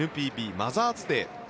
ＮＰＢマザーズデー。